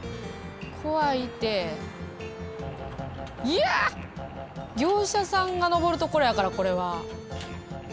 いや業者さんが登るところやからこれは。